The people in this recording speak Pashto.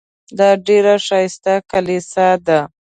دا ډېره ښایسته کلیسا ده.